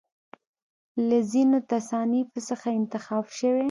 له ځینو تصانیفو څخه یې انتخاب شوی.